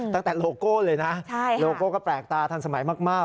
ตั้งแต่โลโก้เลยนะโลโก้ก็แปลกตาทันสมัยมาก